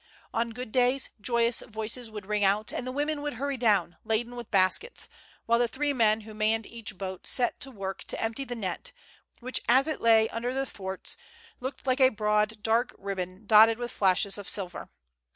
On good days joyous voices would ring out, and the women would hurry down, laden with baskets ; while the three men who manned each boat set to work to empty the net, which, as it lay under the thwarts, looked like a broad dark rib bon dotted with flashes of silver.